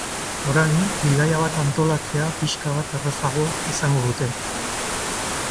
Orain, bidaia bat antolatzea pixka bat errazago izango dute.